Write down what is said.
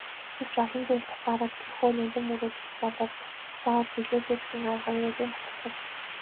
Гэвч олон зүйлд сатаараад тэрхүү нандин мөрөөдөл болоод заавал биелээсэй гэсэн аавынхаа ерөөлийг мартчихаж.